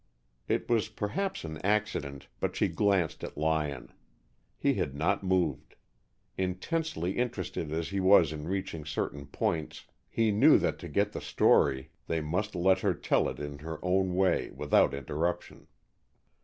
It was perhaps an accident, but she glanced at Lyon. He had not moved. Intensely interested as he was in reaching certain points, he knew that to get the story they must let her tell it in her own way, without interruption.